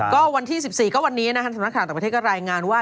ก็วันที่๑๔ก็วันนี้นะฮันทรัพย์นักฐานต่างประเทศก็รายงานว่า